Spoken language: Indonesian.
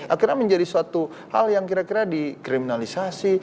akhirnya menjadi suatu hal yang kira kira dikriminalisasi